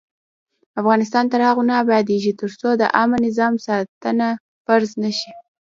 افغانستان تر هغو نه ابادیږي، ترڅو د عامه نظم ساتنه فرض نشي.